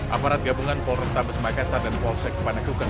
aparat gabungan polretabes makassar dan polsek panagukan